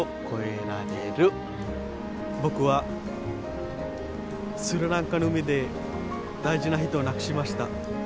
僕はスリランカの海で大事な人を亡くしました。